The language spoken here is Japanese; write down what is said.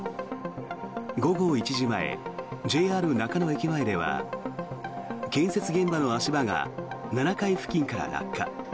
午後１時前ＪＲ中野駅前では建設現場の足場が７階付近から落下。